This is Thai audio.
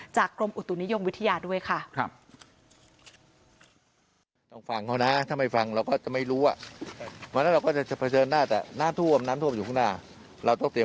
กรมอุตุนิยมวิทยาด้วยค่ะ